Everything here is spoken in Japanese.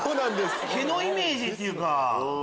毛のイメージっていうか。